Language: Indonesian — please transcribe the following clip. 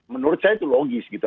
menurut saya itu logis gitu